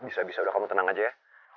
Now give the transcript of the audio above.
bisa bisa udah kamu tenang aja ya